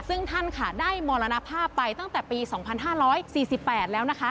ซึ่งท่านค่ะได้มรณภาพไปตั้งแต่ปี๒๕๔๘แล้วนะคะ